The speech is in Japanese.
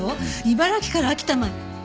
茨城から秋田まで。